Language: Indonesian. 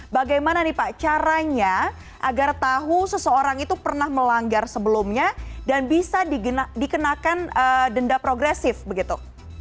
bagaimana nih pak caranya agar tahu seseorang itu pernah melanggar sebelumnya dan bisa dikenakan denda progresif begitu